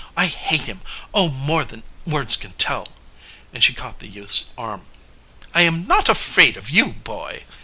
"I hate him oh, more than words can tell!" and she caught the youth's arm. "I am not afraid of you, boy!"